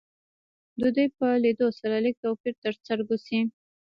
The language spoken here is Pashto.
د دوی په لیدو سره لږ توپیر تر سترګو شي